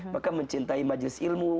maka mencintai majlis ilmu